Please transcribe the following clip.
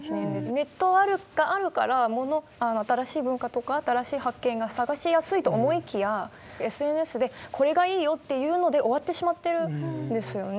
ネットがあるから新しい文化とか新しい発見が探しやすいと思いきやＳＮＳで「これがいいよ」っていうので終わってしまってるんですよね。